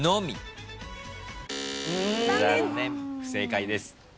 残念不正解です。